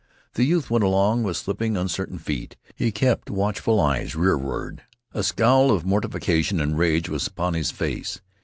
The youth went along with slipping, uncertain feet. He kept watchful eyes rearward. A scowl of mortification and rage was upon his face.